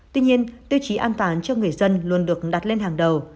tuy nhiên tiêu chí an toàn cho người dân luôn được đặt lên hàng đầu